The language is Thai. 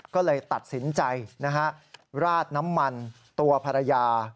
ก็เลยตัดสินใจนะฮะราดน้ำมันตัวภรรยา